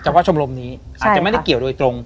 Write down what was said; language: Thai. แต่ว่าชมรมนี้อาจจะไม่ได้เกี่ยวโดยตรง